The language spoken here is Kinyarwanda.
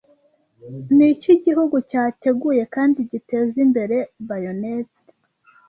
Niki gihugu cyateguye kandi giteza imbere bayonet